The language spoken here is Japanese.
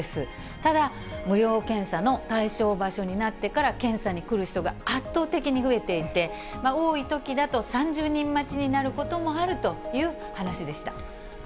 ただ、無料検査の対象場所になってから、検査に来る人が圧倒的に増えていて、多いときだと、３０人待ちになることもあるという話でした。